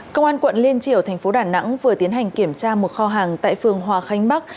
công an quận liên triều thành phố đà nẵng vừa tiến hành kiểm tra một kho hàng tại phường hòa khánh bắc